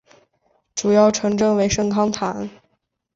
主要城镇为圣康坦。